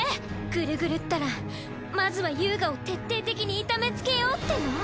グルグルったらまずは遊我を徹底的に痛めつけようっての？